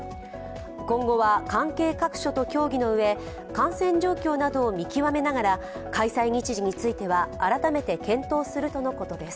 今後は関係各所と協議のうえ感染状況などを見極めながら開催日時については改めて検討するとのことです。